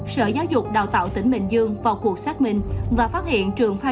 sở giáo dục đào tạo tỉnh bình dương vào cuộc xác minh và phát hiện trường khoa